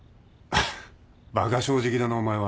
バカ正直だなお前は。